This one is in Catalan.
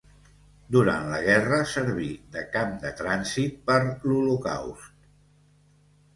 Durant la guerra serví de camp de trànsit per l'Holocaust.